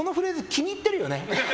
気に入ってるよね。